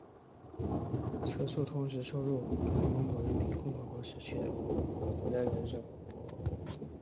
此处同时收录蒙古人民共和国时期的国家元首。